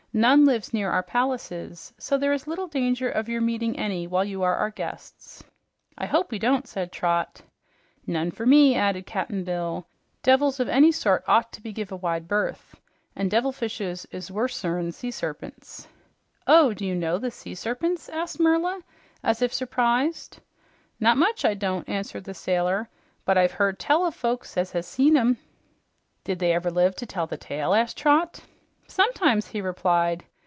None lives near our palaces, so there is little danger of your meeting any while you are our guests." "I hope we won't," said Trot. "None for me," added Cap'n Bill. "Devils of any sort ought to be give a wide berth, an' devilfish is worser ner sea serpents." "Oh, do you know the sea serpents?" asked Merla as if surprised. "Not much I don't," answered the sailor, "but I've heard tell of folks as has seen 'em." "Did they ever live to tell the tale?" asked Trot. "Sometimes," he replied.